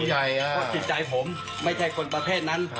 เพราะจิตใจผมไม่ใช่คนประเภทนั้น